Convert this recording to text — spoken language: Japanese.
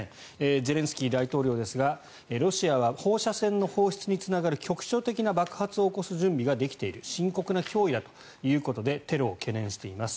ゼレンスキー大統領ですがロシアは放射線の放出につながる局所的な爆発を起こす準備ができている深刻な脅威だということでテロを懸念しています。